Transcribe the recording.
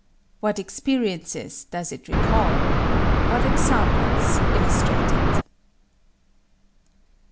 What experiences does it recall? What examples illustrate it?